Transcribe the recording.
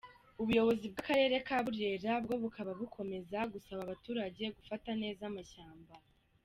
Ubuyobozi bw’akarere ka Burera, bwo bukaba bukomeza gusaba abaturage gufata neza amashyamba.